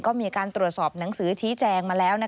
ก็มีการตรวจสอบหนังสือชี้แจงมาแล้ว